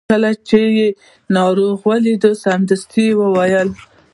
کله چې یې ناروغ ولید سمدستي یې وویل.